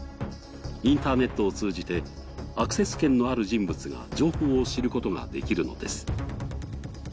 インターネットを通じてアクセス権のある人物が情報を知ることができるのです。